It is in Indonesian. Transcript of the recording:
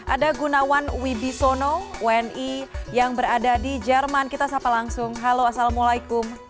ada gunawan wibisono wni yang berada di jerman kita sapa langsung halo assalamualaikum